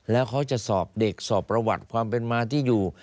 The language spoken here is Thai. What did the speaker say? แล้วเขาจะสอบเด็กสอบประวัติความเป็นมาที่อยู่